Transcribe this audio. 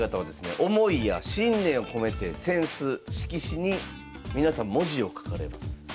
思いや信念を込めて扇子色紙に皆さん文字を書かれます。